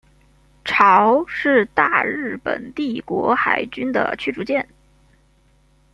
潮是大日本帝国海军的驱逐舰。